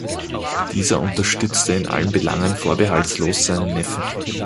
Dieser unterstützte in allen Belangen vorbehaltlos seinen Neffen.